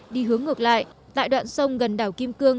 đi hướng ngược lại tại đoạn sông gần đảo kim cương